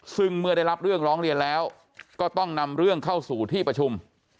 ซึ่งเมื่อได้รับเรื่องร้องเรียนแล้วก็ต้องนำเรื่องเข้าสู่ที่ประชุม